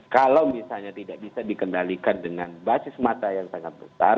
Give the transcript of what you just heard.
kalau misalnya tidak bisa dikendalikan dengan basis mata yang sangat besar